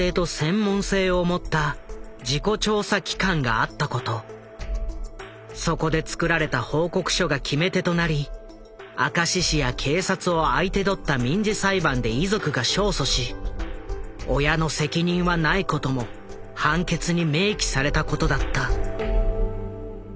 伝えたのは明石にそこで作られた報告書が決め手となり明石市や警察を相手取った民事裁判で遺族が勝訴し親の責任はないことも判決に明記されたことだった。